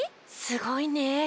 すごいね。